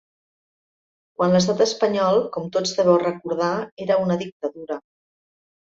Quan l’estat espanyol, com tots deveu recordar, era una dictadura.